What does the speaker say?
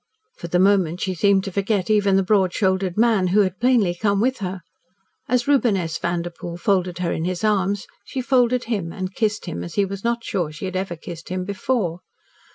For the moment she seemed to forget even the broad shouldered man who had plainly come with her. As Reuben S. Vanderpoel folded her in his arms, she folded him and kissed him as he was not sure she had ever kissed him before.